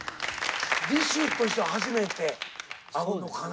ＤＩＳＨ／／としては初めて会うのかな。